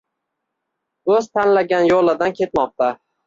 Oʻz tanlagan yoʻlidan ketmoqda